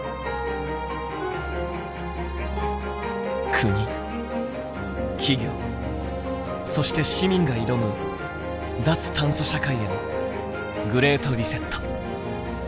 国企業そして市民が挑む脱炭素社会への「グレート・リセット」。